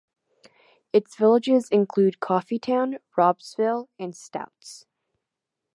Its villages include Coffeetown, Raubsville, and Stouts.